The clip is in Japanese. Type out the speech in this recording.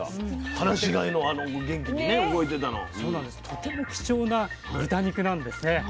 とても貴重な豚肉なんですね。